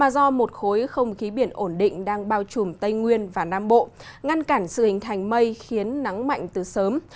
do một khối không khí biển ổn định đang bao trùm tây nguyên và nam bộ ngăn cản sự hình thành mây khiến nắng mạnh từ sớm